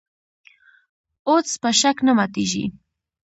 اودس په شک نه ماتېږي .